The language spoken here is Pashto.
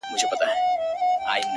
• په هوا کشپ روان وو ننداره سوه ,